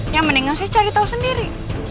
yang meninggal saya cari tau sendiri